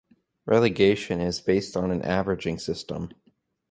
Relegation is based on an averaging system.